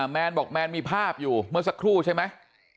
แมนบอกแมนมีภาพอยู่เมื่อสักครู่ใช่ไหม